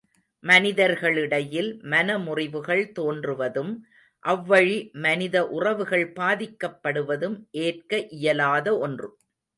மனிதர்களிடையில் மன முறிவுகள் தோன்றுவதும் அவ்வழி மனித உறவுகள் பாதிக்கப்படுவதும் ஏற்க இயலாத ஒன்று.